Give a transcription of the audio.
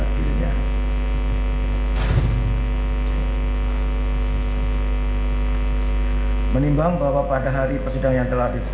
dengan berbagai permasalahan